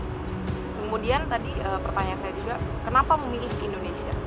kemudian tadi pertanyaan saya juga kenapa memilih indonesia